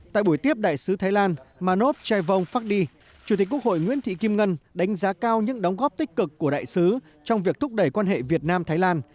tại buổi tiếp đại sứ thái lan manov jaivong facdi chủ tịch quốc hội nguyễn thị kim ngân đánh giá cao những đóng góp tích cực của đại sứ trong việc thúc đẩy quan hệ việt nam thái lan